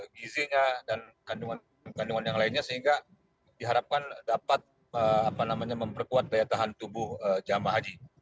gizinya dan kandungan kandungan yang lainnya sehingga diharapkan dapat memperkuat daya tahan tubuh jamaah haji